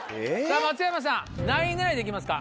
松山さん何位狙いでいきますか？